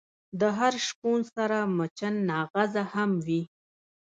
د هر شپون سره مچناغزه هم وی.